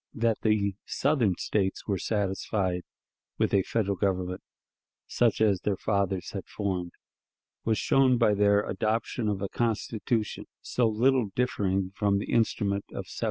That the Southern States were satisfied with a Federal Government such as their fathers had formed, was shown by their adoption of a Constitution so little differing from the instrument of 1787.